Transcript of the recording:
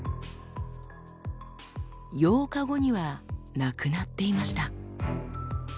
８日後にはなくなっていました。